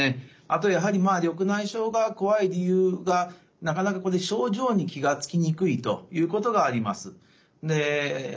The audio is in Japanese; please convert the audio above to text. あとやはり緑内障が怖い理由がなかなか症状に気が付きにくいということがあります。